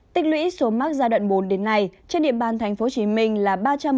tịch lũy số mắc giai đoạn bốn đến nay trên địa bàn thành phố hồ chí minh là